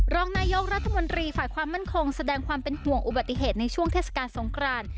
รองนายกรัฐมนตรีฝ่ายความมั่นคงแสดงความเป็นห่วงอุบัติเหตุในช่วงเทศกาลสงคราน